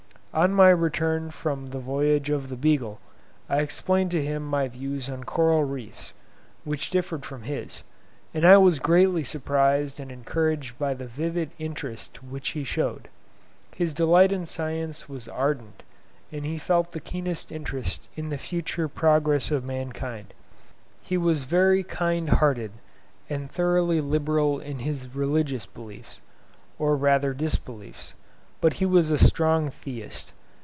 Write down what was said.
On my return from the voyage of the "Beagle", I explained to him my views on coral reefs, which differed from his, and I was greatly surprised and encouraged by the vivid interest which he showed. His delight in science was ardent, and he felt the keenest interest in the future progress of mankind. He was very kind hearted, and thoroughly liberal in his religious beliefs, or rather disbeliefs; but he was a strong theist.